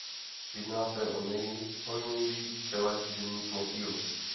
Jedná se o nejhojnější čeleď denních motýlů.